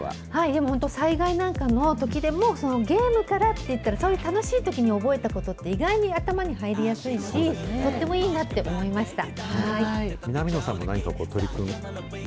でも本当、災害なんかのときでも、ゲームからきていったら、そういう楽しいときに覚えたことって、意外と頭に入りやすいし、とってもいいなって思いました。